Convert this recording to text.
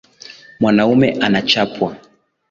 Mwanaume unachapwa.